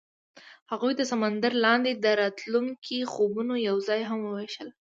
هغوی د سمندر لاندې د راتلونکي خوبونه یوځای هم وویشل.